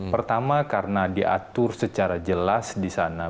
pertama karena diatur secara jelas disana